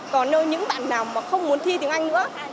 còn nơi những bạn nào mà không muốn thi tiếng anh nữa